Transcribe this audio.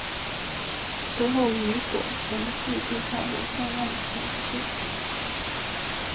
之后雨果详细介绍了尚万强的背景。